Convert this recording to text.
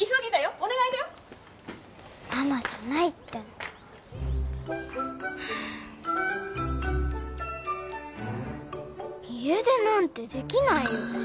お願いだよママじゃないっての家出なんてできないよ